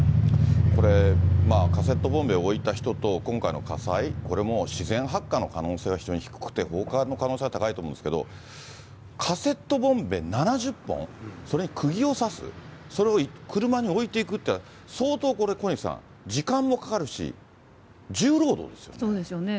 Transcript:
これ、カセットボンベを置いた人と、今回の火災、これもう、自然発火の可能性は非常に低くて、放火の可能性が高いと思うんですけれども、カセットボンベ７０本、それにくぎを刺す、それを車に置いていくっていうのは、相当これ、小西さん、時間もそうですよね。